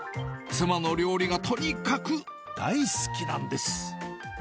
妻の料理がとにかく大好きなんです。